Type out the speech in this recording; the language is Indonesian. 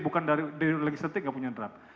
bukan dari legislatif nggak punya draft